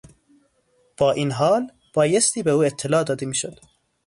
با این حال بایستی به او اطلاع داده میشد.